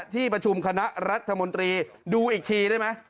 ที่ประชุมคณะรัฐมนตรีดูอีกทีได้ไหม